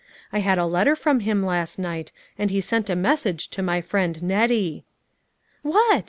I had a letter from him last night, and he sent a message to my friend Nettie." " What